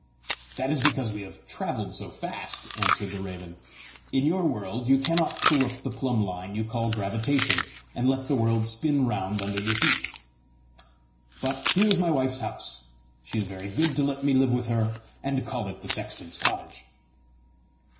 "That is because we have travelled so fast," answered the raven. "In your world you cannot pull up the plumb line you call gravitation, and let the world spin round under your feet! But here is my wife's house! She is very good to let me live with her, and call it the sexton's cottage!"